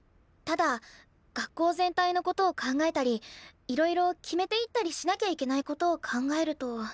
ただ学校全体のことを考えたりいろいろ決めていったりしなきゃいけないことを考えると。